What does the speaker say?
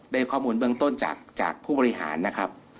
ได้ข้อมูลเบื้องต้นจากผู้บริหารนะครับ